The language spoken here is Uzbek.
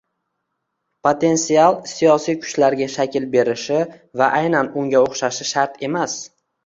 potensial siyosiy kuchlarga shakl berishi va aynan unga o‘xshashi shart emas